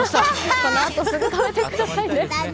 このあとすぐ食べてくださいね。